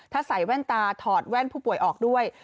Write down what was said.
ถ้าใส่แว่นตาถอดแว่นผู้ป่วยออกด้วย